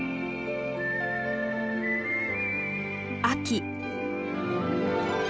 秋。